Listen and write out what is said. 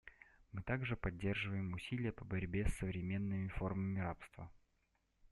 Мы также поддерживаем усилия по борьбе с современными формами рабства.